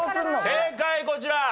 正解こちら。